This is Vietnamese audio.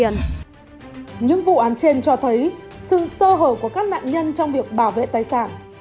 những vụ án trên cho thấy sự sơ hở của các nạn nhân trong việc bảo vệ tài sản